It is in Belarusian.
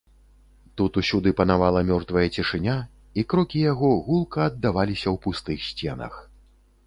Тут усюды панавала мёртвая цішыня, і крокі яго гулка аддаваліся ў пустых сценах.